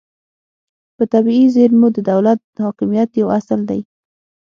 په طبیعي زیرمو د دولت حاکمیت یو اصل دی